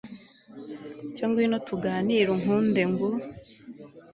cyo ngwino tuganire unkunde ngu